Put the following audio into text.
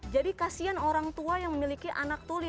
jadi kasian orang tua yang memiliki anak tuli